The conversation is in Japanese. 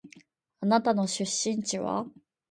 あなたの出身地は？